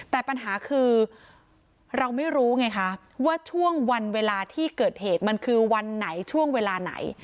แต่ปัญหาคือเราไม่รู้ไงคะว่าช่วงวันเวลาที่เกิดเหตุมันคือวันไหนช่วงเวลาไหน